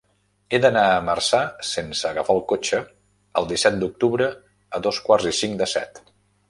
He d'anar a Marçà sense agafar el cotxe el disset d'octubre a dos quarts i cinc de set.